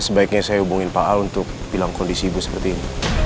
sebaiknya saya hubungin pak a untuk bilang kondisi ibu seperti ini